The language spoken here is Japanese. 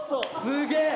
すげえ。